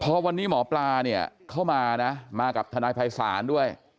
พอวันนี้หมอปลาเนี่ยเข้ามานะมากับทนายภัยศาลด้วย